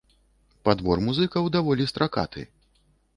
Падбор музыкаў даволі стракаты.